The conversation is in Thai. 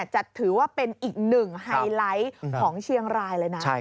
จะถือว่าเป็นอีกหนึ่งไฮไลท์ของเชียงรายเลยนะ